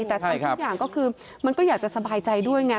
แต่ทุกอย่างก็คือมันก็อยากจะสบายใจด้วยไง